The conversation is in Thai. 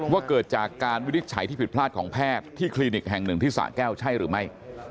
ว่าเกิดจากการวินิจฉัยที่ผิดพลาดของแพทย์ที่คลินิกแห่งหนึ่งที่สะแก้วใช่หรือไม่